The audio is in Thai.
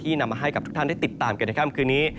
นำมาให้กับทุกท่านได้ติดตามกันในค่ำคืนนี้